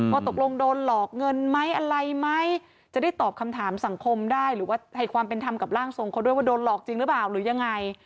ว่าตกลงโดนหลอกเงินไหมอะไรไหมจะได้ตอบคำถามสังคมได้หรือว่าให้ความเป็นธรรมกับร่างทรงเขาด้วยว่าโดนหลอกจริงหรือเปล่าหรือยังไง